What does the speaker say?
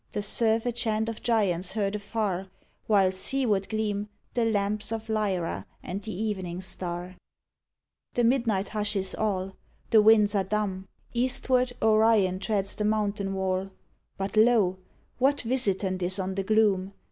72 AN AL'TJR OF tHE IVES'T The surf a chant of giants heard afar, While seaward gleam The lamps of Lyra and the evening star. The midnight hushes all; The winds are dumb; Eastward, Orion treads the mountain wall. But lol what visitant is on the gloom*?